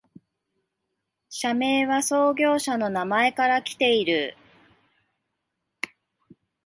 社名は創業者の名前からきている